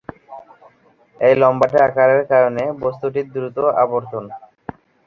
এই লম্বাটে আকারের কারণ বস্তুটির দ্রুত আবর্তন।